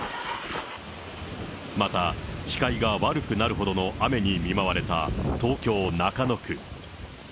また、視界が悪くなるほどの雨に見舞われた東京・中野区。